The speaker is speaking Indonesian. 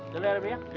sampai jumpa lagi